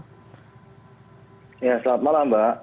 selamat malam mbak